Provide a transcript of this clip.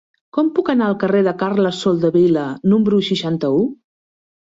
Com puc anar al carrer de Carles Soldevila número seixanta-u?